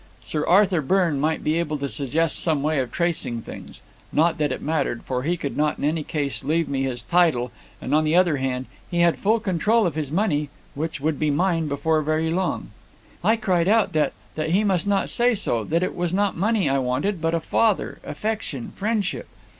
Sir Arthur Byrne might be able to suggest some way of tracing things. Not that it mattered, for he could not in any case leave me his title, and, on the other hand, he had full control of his money, which would be mine before very long. "I cried out at that, that he must not say so; that it was not money I wanted, but a father, affection, friendship.